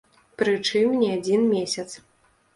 Прычым не адзін месяц.